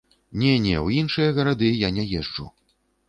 Не-не, у іншыя гарады я не езджу.